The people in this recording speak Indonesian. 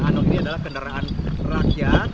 hanum ini adalah kendaraan rakyat